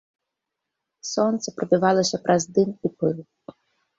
Сонца прабівалася праз дым і пыл.